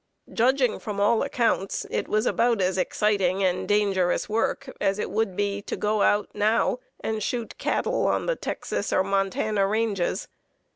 Judging from all accounts, it was about as exciting and dangerous work as it would be to go out now and shoot cattle on the Texas or Montana ranges.